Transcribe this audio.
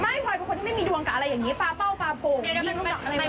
ไม้ภายปลายคนที่ไม่มีดวงกับอะไรอย่างนี้